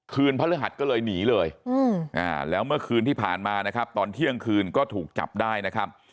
พระฤหัสก็เลยหนีเลยแล้วเมื่อคืนที่ผ่านมานะครับตอนเที่ยงคืนก็ถูกจับได้นะครับ